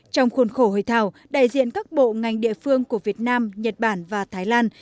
trong khuôn khổ hội thảo đại diện các bộ ngành địa phương của việt nam nhật bản và thái lan